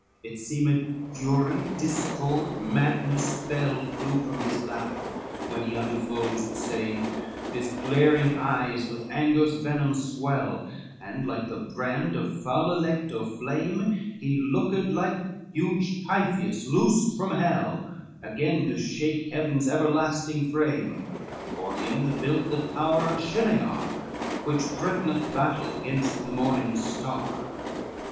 XCI It seemed fury, discord, madness fell Flew from his lap, when he unfolds the same; His glaring eyes with anger's venom swell, And like the brand of foul Alecto flame, He looked like huge Tiphoius loosed from hell Again to shake heaven's everlasting frame, Or him that built the tower of Shinaar, Which threat'neth battle 'gainst the morning star.